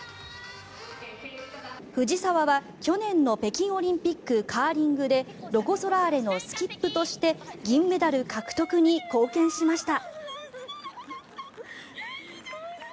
藤澤は去年の北京オリンピックカーリングでロコ・ソラーレのスキップとして銀メダル獲得に貢献しました。